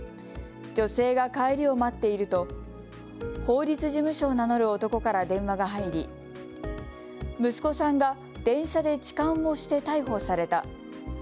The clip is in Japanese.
女性が帰りを待っていると法律事務所を名乗る男から電話が入り、息子さんが電車で痴漢をして逮捕された。